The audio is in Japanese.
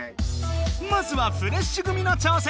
まずはフレッシュ組の挑戦。